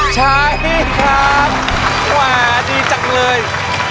ใช้ครับว่าดีจังเลย